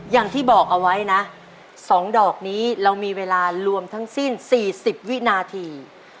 อย่างที่บอกเอาไว้นะ๒ดอกนี้เรามีเวลารวมทั้งสิ้น๔๐วินาที